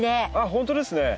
本当ですね。